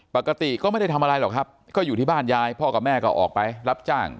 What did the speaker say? ปกติก็ไม่ได้ทำอะไรหรอกครับก็อยู่ที่บ้านยายพ่อกับแม่ก็ออกไปรับจ้าง